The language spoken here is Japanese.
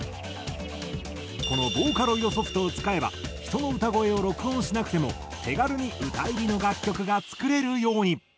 このボーカロイドソフトを使えば人の歌声を録音しなくても手軽に歌入りの楽曲が作れるように。